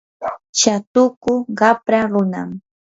shatuku qapra runam.